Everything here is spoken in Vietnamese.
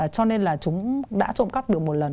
cho nên là chúng đã trộm cắp được một lần